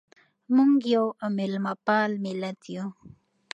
موږ یو مېلمه پال ملت یو.